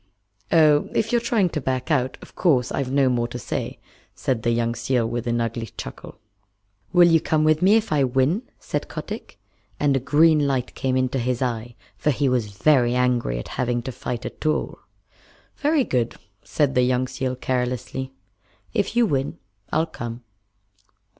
"Oh, if you're trying to back out, of course I've no more to say," said the young seal with an ugly chuckle. "Will you come with me if I win?" said Kotick. And a green light came into his eye, for he was very angry at having to fight at all. "Very good," said the young seal carelessly. "If you win, I'll come."